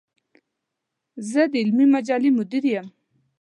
زۀ د علمي مجلې مدير يم.